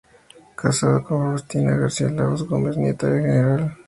Casado con Faustina García Lagos Gómez, nieta del Gral.